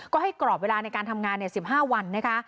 ก็ให้กรอบเวลาในการทำงาน๑๕วันนะคะ